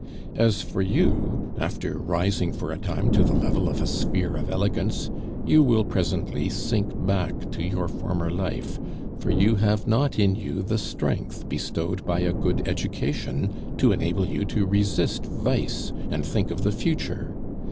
"As for you, after rising for a time to the level of a sphere of elegance, you will presently sink back to your former life, for you have not in you the strength bestowed by a good education to enable you to resist vice and think of the future.